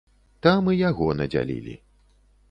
Там і яго надзялілі.